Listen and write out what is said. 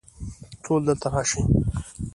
ټول دلته راشئ